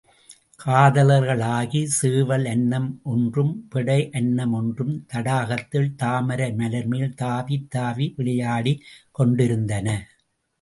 காதலர்களாகிய சேவல் அன்னம் ஒன்றும் பெடை அன்னம் ஒன்றும் தடாகத்தில் தாமரை மலர்மேல் தாவித் தாவி விளையாடிக் கொண்டிருந்தன.